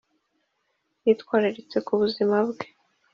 yitwararitse ku buzima bwe